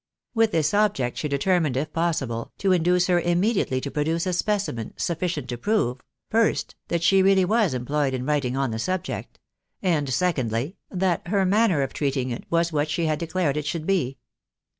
With this object, she determined, if possible, to induce her immediately to produce a specimen, sufficient to prove ; first, that she reaUy was employed in writing on the subject ; and secondly, that her manner of treating it was what she had declared it should be.